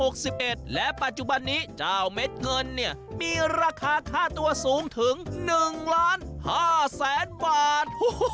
ค่าตัวสูงถึง๑๕๐๐๐๐๐บาท